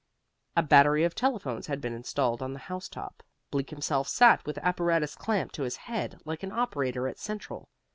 A battery of telephones had been installed on the house top; Bleak himself sat with apparatus clamped to his head like an operator at central.